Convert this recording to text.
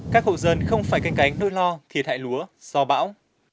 các hộ dân không phải canh cánh nỗi lo thiệt hại lúa do bão